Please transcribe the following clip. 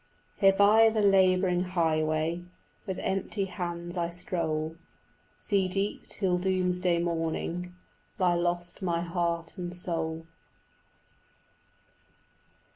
Here by the labouring highway With empty hands I stroll: Sea deep, till doomsday morning, Lie lost my heart and soul.